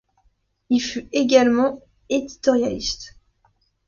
Il fut également éditorialiste.